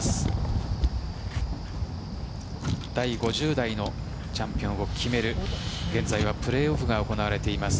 第５０代のチャンピオンを決める現在はプレーオフが行われています。